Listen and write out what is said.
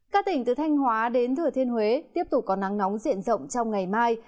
các tỉnh từ thanh hóa đến thừa thiên huế tiếp tục có nắng nóng diện rộng trong ngày mai